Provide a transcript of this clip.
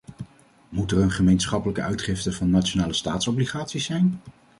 Moet er een gemeenschappelijke uitgifte van nationale staatsobligaties zijn?